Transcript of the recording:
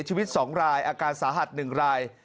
ชีวิตสองรายอาการสาหัสหนึ่งราย